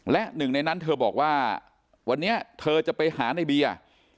และหนึ่งในนั้นเธอบอกว่าวันนี้เธอจะไปหาในเบียร์